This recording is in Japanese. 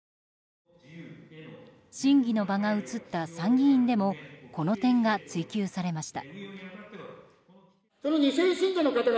審議の場が移った参議院でもこの点が追及されました。